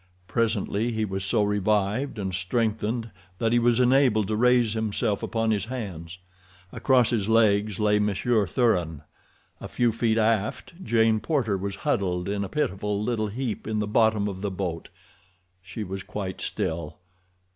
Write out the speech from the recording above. Presently he was so revived and strengthened that he was enabled to raise himself upon his hands. Across his legs lay Monsieur Thuran. A few feet aft Jane Porter was huddled in a pitiful little heap in the bottom of the boat—she was quite still.